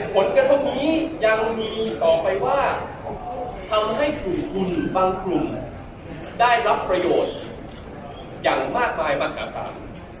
ผลกระทบนี้ยังมีต่อไปว่าทำให้คุณคุณบางคลุมได้รับประโยชน์อย่างมากมายมากกว่าศาล